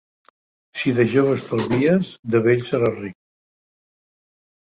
Si de jove estalvies, de vell seràs ric.